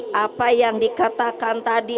jadi apa yang dikatakan tadi